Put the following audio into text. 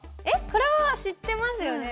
これは知ってますよね。